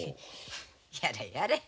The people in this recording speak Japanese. やれやれ。